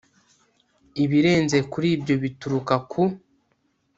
ibirenze kuri ibyo bituruka ku